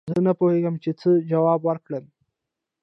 زه نه پوهېږم چې څه جواب ورکړم